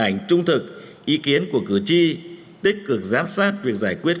hình ảnh trung thực ý kiến của cử tri tích cực giám sát việc giải quyết